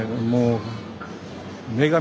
もう。